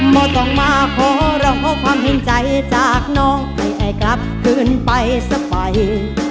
บ่ต้องมาขอร้องความเห็นใจจากน้องให้ไอ้กลับขึ้นไปซะไป